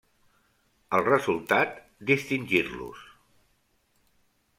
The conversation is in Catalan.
El resultat, distingir-los.